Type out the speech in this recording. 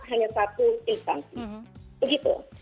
hanya satu instansi begitu